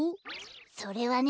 それはね